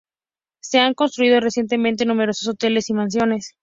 Se han construido recientemente numerosos hoteles y mansiones.